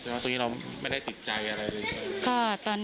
พุ่งเข้ามาแล้วกับแม่แค่สองคน